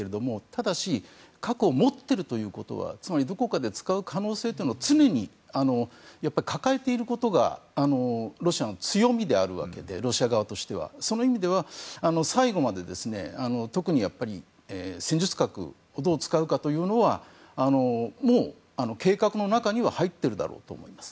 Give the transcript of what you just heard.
ただし核を持っているということはつまり、どこかで使う可能性を常に抱えていることがロシアの強みであるわけでロシア側としては。その意味では、最後まで特に戦術核をどう使うかというのは計画の中には入ってるだろうと思います。